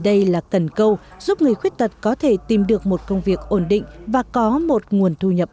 vì việc tần câu giúp người khuyết tật có thể tìm được một công việc ổn định và có một nguồn thu nhập